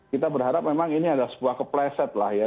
kita berharap memang ini adalah sebuah kepleset lah ya